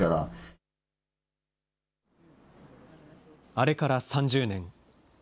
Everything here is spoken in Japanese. あれから３０年。